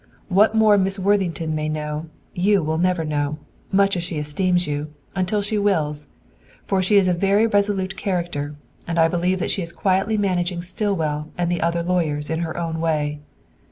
What more Miss Worthington may know, you will never know, much as she esteems you, unless she wills. For she is a very resolute character, and I believe that she is quietly managing Stillwell and the other lawyers in her own way.